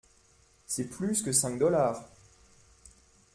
C’est plus que cinq dollars.